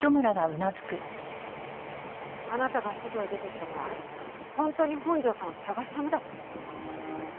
あなたが外へ出ていったのは本当に本庄さんを捜すためだったの？